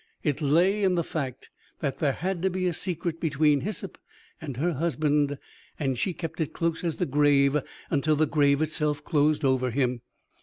It lay in the fact that there had to be a secret between Hyssop and her husband; and she kept it close as the grave until the grave itself closed over him.